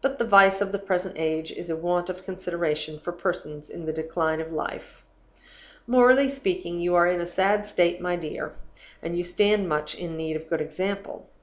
But the vice of the present age is a want of consideration for persons in the decline of life. Morally speaking, you are in a sad state, my dear; and you stand much in need of a good example.